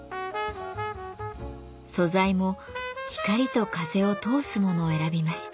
素材も光と風を通すものを選びました。